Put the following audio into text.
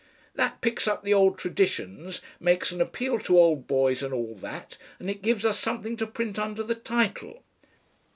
That picks up the old traditions, makes an appeal to old boys and all that, and it gives us something to print under the title."